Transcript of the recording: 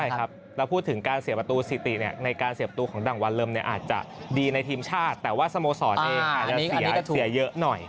ใช่ครับเราพูดถึงการเสียประตูสิติในการเสียประตูของดังวันเริ่มเนี่ยอาจจะดีในทีมชาติแต่ว่าสโมสรเองอาจจะเสียเยอะหน่อย